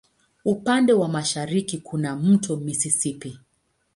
Upande wa mashariki kuna wa Mto Mississippi.